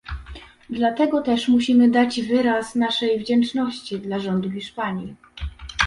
Dlatego też musimy dać wyraz naszej wdzięczności dla rządu Hiszpanii